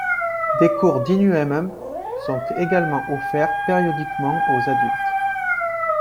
Des cours d’innu-aimun sont également offerts périodiquement aux adultes.